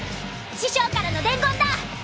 師匠からの伝言だ。